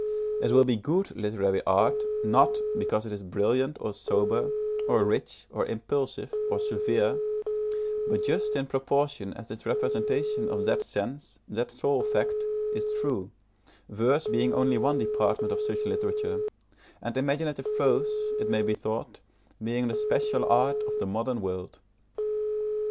It will be good literary art not because it is brilliant or sober, or rich, or impulsive, or severe, but just in proportion as its representation of that sense, that soul fact, is true, verse being only one department of such literature, and imaginative prose, it may be thought, being the special art of the modern world.